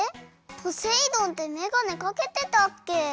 ポセイ丼ってめがねかけてたっけ？